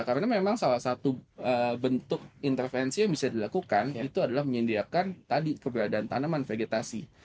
karena memang salah satu bentuk intervensi yang bisa dilakukan itu adalah menyediakan tadi keberadaan tanaman vegetasi